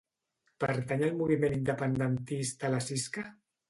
Pertany al moviment independentista la Cisca?